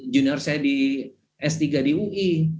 junior saya di s tiga di ui